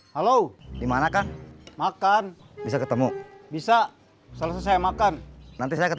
halo dimana kan makan bisa ketemu bisa selesai makan nanti saya